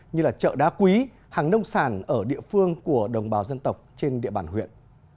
như chợ đá quý hàng nông sản ở địa phương của đồng bào dân tộc trên địa bàn huyện